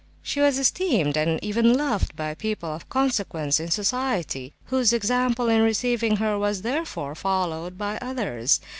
She was esteemed and even loved by people of consequence in society, whose example in receiving her was therefore followed by others.